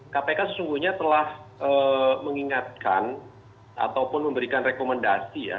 kpk sesungguhnya telah mengingatkan ataupun memberikan rekomendasi ya